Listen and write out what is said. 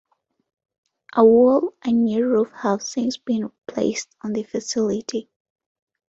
A wall and new roof have since been placed on the facility.